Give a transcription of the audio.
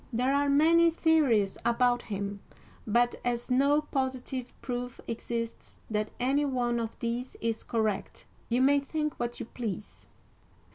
There are many theories about him, but as no positive proof exists that any one of these is correct, you may think what you please.